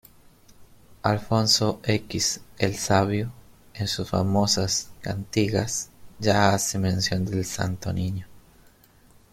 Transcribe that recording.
Alfonso X el Sabio, en sus famosas "Cantigas" ya hace mención del Santo Niño.